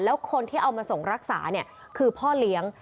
แล้วคนที่เอามาส่งรักษาเนี่ยคือพ่อเลี้ยง